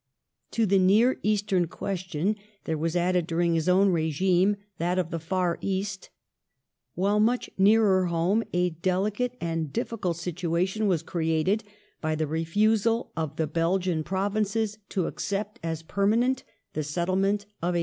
To the near Eastern question there was added during his own regime that of the Far East ; while much nearer home a delicate and difficult situation was created by the refusal of the Belgian Provinces to accept as permanent the settlemept, of 1814.